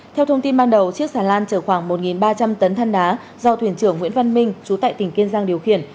theo thông tin ban đầu chiếc xà lan chở khoảng một ba trăm linh tấn thân đá do thuyền trưởng nguyễn văn minh chú tại tỉnh kiên giang điều khiển